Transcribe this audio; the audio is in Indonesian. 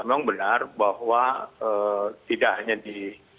memang benar bahwa tidak hanya di